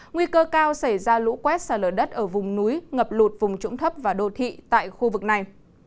nguy cơ cao xảy ra lũ quét xa lở đất ở vùng núi ngập lụt vùng trũng thấp và đô thị tại khu vực này